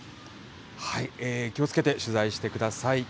気をつけて取材してください。